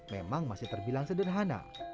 memang masih terbilang sederhana